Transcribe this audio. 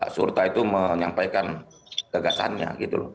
surta itu menyampaikan kegagasannya